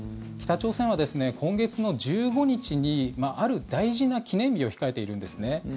北朝鮮は今月１５日にある大事な記念日を控えているんです。